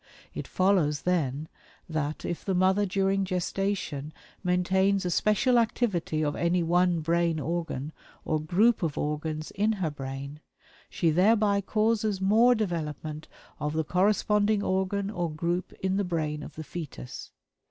It follows, then, that if the mother during gestation maintains a special activity of any one brain organ, or group of organs, in her brain, she thereby causes more development of the corresponding organ or group in the brain of the fetus.